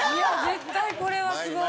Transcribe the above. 絶対これはすごい！